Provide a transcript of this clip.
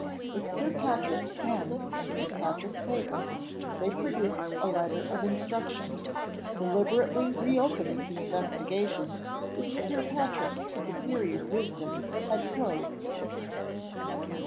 With Sir Patrick's pens and Sir Patrick's paper they produced a letter of instructions, deliberately reopening the investigation which Sir Patrick's superior wisdom had closed.